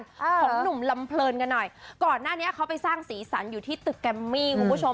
ของหนุ่มลำเพลินกันหน่อยก่อนหน้านี้เขาไปสร้างสีสันอยู่ที่ตึกแกมมี่คุณผู้ชม